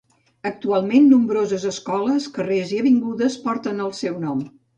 Actualment nombroses escoles, carrers i avingudes porten el seu nom.